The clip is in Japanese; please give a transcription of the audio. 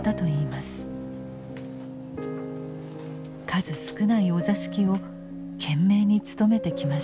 数少ないお座敷を懸命に務めてきました。